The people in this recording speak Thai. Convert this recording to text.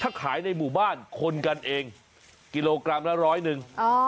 ถ้าขายในหมู่บ้านคนกันเองกิโลกรัมละร้อยหนึ่ง